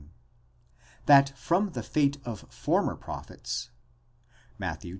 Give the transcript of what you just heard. that from the fate of former prophets (Matt.